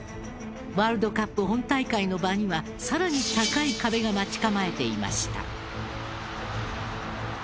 ワールドカップ本大会の場には更に高い壁が待ち構えていました。